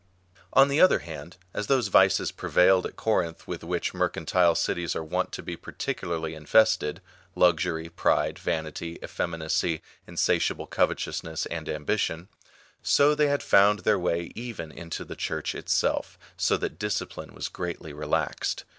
On the other hand, as those vices prevailed at Corinth with which mercantile cities are wont to be particvdarly in fested, — luxury, pride, vanity, effeminacy, insatiable covet ousness, and ambition ; so they had found their Avay even into the Church itself, so that discipline was greatly relaxed.